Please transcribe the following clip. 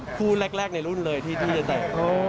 คู่แรกในรุ่นเลยที่ฏาย